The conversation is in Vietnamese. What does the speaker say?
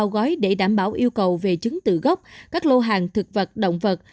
gói để đảm bảo yêu cầu về chứng tự gốc các lô hàng thực vật động vật